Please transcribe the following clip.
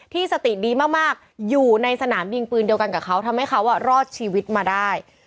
สติดีมากอยู่ในสนามยิงปืนเดียวกันกับเขาทำให้เขารอดชีวิตมาได้